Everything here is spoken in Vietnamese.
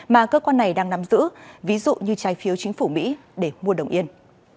mà cơ quan này đang nắm giữ ví dụ như trái phiếu chính phủ mỹ để mua đồng yên